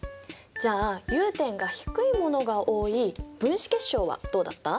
じゃあ融点が低いものが多い分子結晶はどうだった？